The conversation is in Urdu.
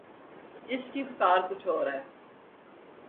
اس کی پکار کچھ اور ہے۔